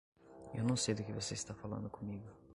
Eu não sei do que você está falando comigo.